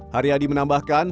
hari hadi menambahkan